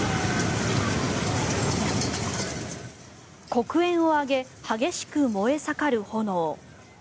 黒煙を上げ激しく燃え盛る炎。